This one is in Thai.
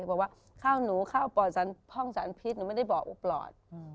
บอกว่าข้าวหนูข้าวปลอดห้องสารพิษหนูไม่ได้บอกว่าปลอด